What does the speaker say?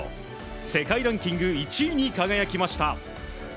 世界ランキング１位に輝きました。